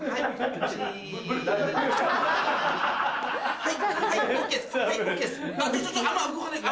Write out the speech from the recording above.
はい。